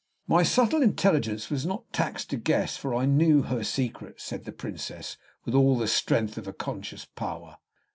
"My subtle intelligence was not taxed to guess, for I knew her secret," said the Princess, with all the strength of conscious power.